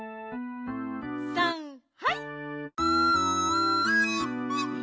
さんはい！